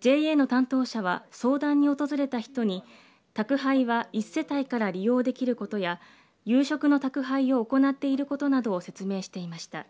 ＪＡの担当者は相談に訪れた人に宅配は１世帯から利用できることや夕食の宅配を行っていることなどを説明していました。